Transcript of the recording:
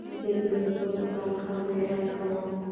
زه د لوستو لپاره ښه ځای غوره کوم.